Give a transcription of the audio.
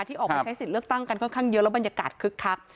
ออกไปใช้สิทธิ์เลือกตั้งกันค่อนข้างเยอะแล้วบรรยากาศคึกคัก